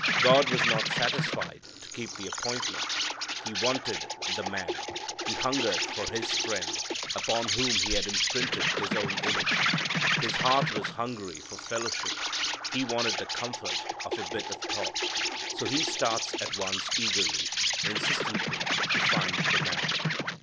God was not satisfied to keep the appointment. He wanted the man. He hungered for His friend, upon whom He had imprinted His own image. His heart was hungry for fellowship. He wanted the comfort of a bit of talk. So He starts at once eagerly, insistently to find the man.